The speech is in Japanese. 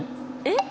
えっ？